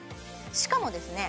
しかもですね